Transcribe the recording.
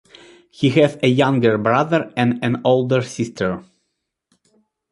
He has a younger brother and an older sister.